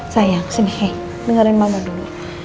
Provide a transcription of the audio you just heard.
sayang sini dengerin mama dulu